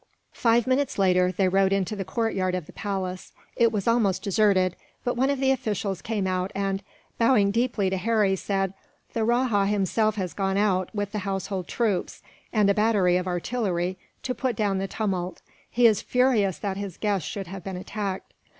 Five minutes later, they rode into the courtyard of the palace. It was almost deserted, but one of the officials came out and, bowing deeply to Harry, said: "The rajah himself has gone out, with the household troops and a battery of artillery, to put down the tumult. He is furious that his guests should have been attacked."